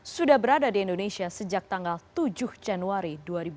sudah berada di indonesia sejak tanggal tujuh januari dua ribu dua puluh